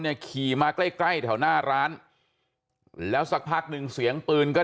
ขี่มาใกล้ใกล้แถวหน้าร้านแล้วสักพักหนึ่งเสียงปืนก็